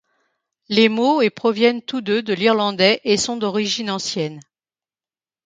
Les mots et proviennent tous deux de l'irlandais et sont d'origine ancienne.